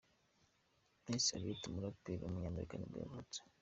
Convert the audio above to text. Missy Elliott, umuraperikazi w’umunyamerika nibwo yavutse.